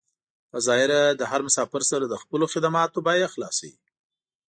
په ظاهره له هر مسافر سره د خپلو خدماتو بيه خلاصوي.